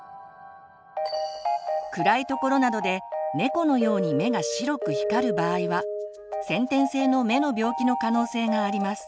暗いところなどで猫のように目が白く光る場合は先天性の目の病気の可能性があります。